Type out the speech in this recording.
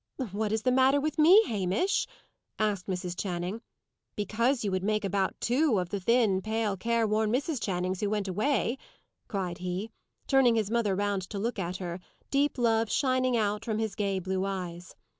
"What is the matter with me, Hamish?" asked Mrs. Channing. "Because you would make about two of the thin, pale, careworn Mrs. Channing who went away," cried he, turning his mother round to look at her, deep love shining out from his gay blue eyes.